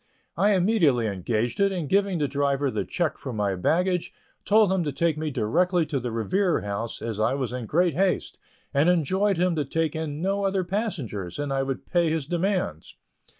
I immediately engaged it, and giving the driver the check for my baggage, told him to take me directly to the Revere House, as I was in great haste, and enjoined him to take in no other passengers, and I would pay his demands.